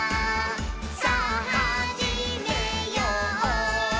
さぁはじめよう」